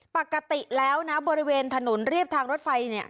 ปกติแล้วนะบริเวณถนนเรียบทางรถไฟเนี่ย